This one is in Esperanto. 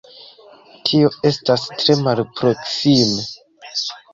Tio estas tre malproksime.